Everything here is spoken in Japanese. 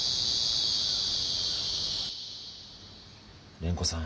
蓮子さん